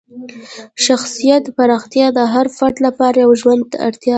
شخصیت پراختیا د هر فرد لپاره یوه ژوندۍ اړتیا ده.